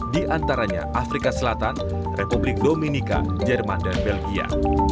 di antaranya afrika selatan republik dominika jerman dan belgia